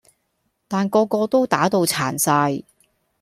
但個個都打到殘晒